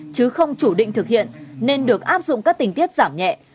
chứ không chủ định thực hiện nên được áp dụng các tình tiết giảm nhẹ